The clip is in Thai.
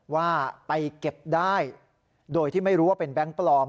ว่าไปเก็บได้โดยที่ไม่รู้ว่าเป็นแบงค์ปลอม